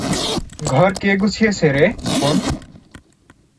ঘর কে গুছিয়েছে রে, বোন?